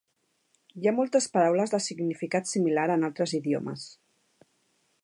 Hi ha moltes paraules de significat similar en altres idiomes.